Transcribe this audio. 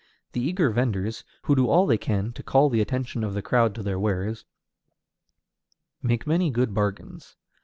The eager venders, who do all they can to call the attention of the crowd to their wares, make many good bargains.